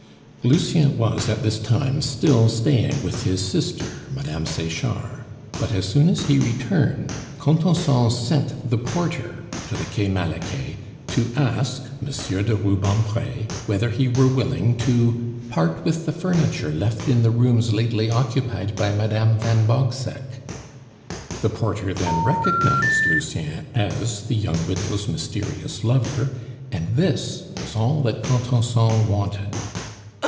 Lucien was at this time still staying with his sister, Madame Sechard; but as soon as he returned, Contenson sent the porter to the Quai Malaquais to ask Monsieur de Rubempre whether he were willing to part with the furniture left in the rooms lately occupied by Madame van Bogseck. The porter then recognized Lucien as the young widow's mysterious lover, and this was all that Contenson wanted.